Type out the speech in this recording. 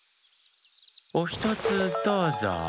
おひとつどうぞ。